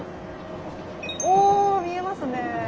お見えますね。